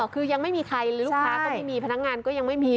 คือยังไม่มีใครลูกค้าก็ไม่มีพนักงานก็ยังไม่มี